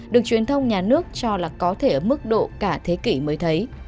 được truyền thông nhà nước cho là có thể ở mức độ cả thế kỷ mới thấy